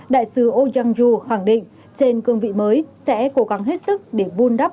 đại sứ ô giang du khẳng định trên cương vị mới sẽ cố gắng hết sức để vun đắp